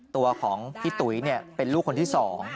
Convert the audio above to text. ตัวของพี่ตุ๋ยเป็นลูกคนที่๒